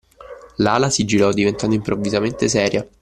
Lala si girò diventando improvvisamente seria.